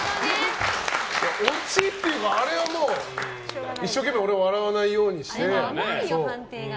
オチっていうか、もう一生懸命俺は笑わないようにして。